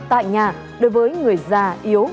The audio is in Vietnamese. tại nhà đối với người già yếu